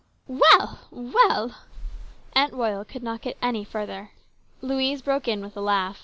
" Well ! well !" Aunt Royal could not get any further. Louise broke in with a laugh.